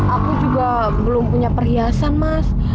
aku juga belum punya perhiasan mas